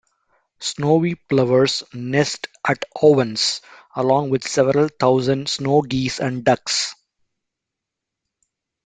Snowy plovers nest at Owens along with several thousand snow geese and ducks.